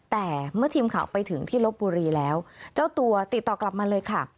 แต่เมื่อทีมข่าวไปถึงที่ลบบุรีแล้วเจ้าตัวติดต่อกลับมาเลยค่ะ